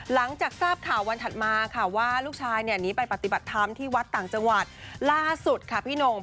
หลังจากทราบข่าววันถัดมาค่ะว่าลูกชายเนี่ยหนีไปปฏิบัติธรรมที่วัดต่างจังหวัดล่าสุดค่ะพี่หนุ่ม